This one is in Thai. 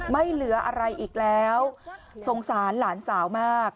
ไม่เหลืออะไรอีกแล้วสงสารหลานสาวมาก